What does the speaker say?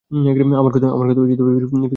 আমার কথা ফিরিয়ে নিতে বাধ্য করো না।